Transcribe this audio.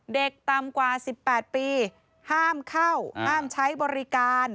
ต่ำกว่า๑๘ปีห้ามเข้าห้ามใช้บริการ